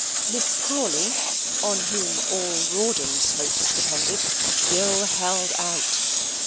Miss Crawley, on whom all Rawdon's hopes depended, still held out.